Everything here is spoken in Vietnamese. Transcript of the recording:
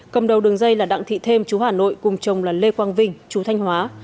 cầm đầu đường dây là đặng thị thêm chú hà nội cùng chồng là lê quang vinh chú thanh hóa